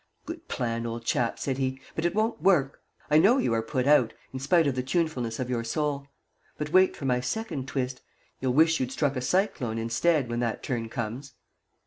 "Good plan, old chap," said he; "but it won't work. I know you are put out, in spite of the tunefulness of your soul. But wait for my second twist. You'll wish you'd struck a cyclone instead when that turn comes."